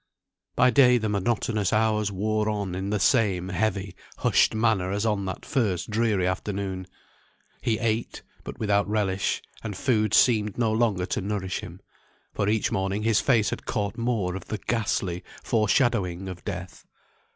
By day the monotonous hours wore on in the same heavy, hushed manner as on that first dreary afternoon. He ate, but without relish; and food seemed no longer to nourish him, for each morning his face had caught more of the ghastly fore shadowing of Death.